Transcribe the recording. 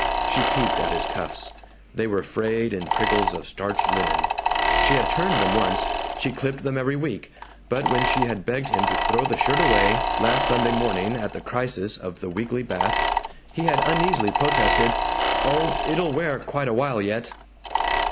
She peeped at his cuffs. They were frayed in prickles of starched linen. She had turned them once; she clipped them every week; but when she had begged him to throw the shirt away, last Sunday morning at the crisis of the weekly bath, he had uneasily protested, "Oh, it'll wear quite a while yet."